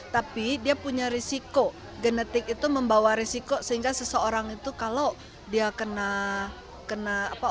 tapi dia punya risiko genetik itu membawa risiko sehingga seseorang itu kalau dia kena apa